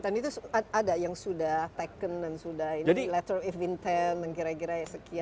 dan itu ada yang sudah taken dan sudah letter of intent dan kira kira sekian sekian